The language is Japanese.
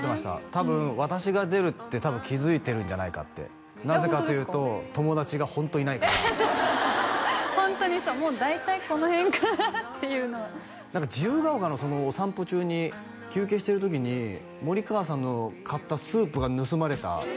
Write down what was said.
多分私が出るって気づいてるんじゃないかってなぜかというと友達がホントいないからそうそうそうホントにそうもう大体この辺かなっていうのは自由が丘のお散歩中に休憩してる時に森川さんの買ったスープが盗まれた？